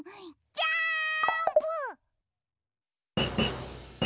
ジャンプ！！」。